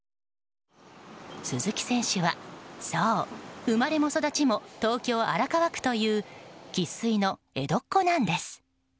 鈴木選手はそう、生まれも育ちも東京・荒川区という生粋の江戸っ子なんです。